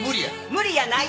無理やない。